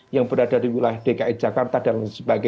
yang berada di wilayah dki jakarta dll